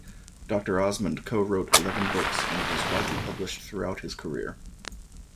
Doctor Osmond co-wrote eleven books and was widely published throughout his career.